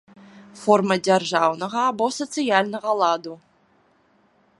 Форма дзяржаўнага або сацыяльнага ладу.